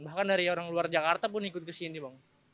bahkan dari orang luar jakarta pun ikut kesini bang